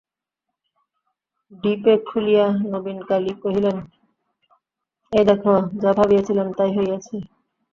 ডিপে খুলিয়া নবীনকালী কহিলেন, এই দেখো, যা ভাবিয়াছিলাম, তাই হইয়াছে।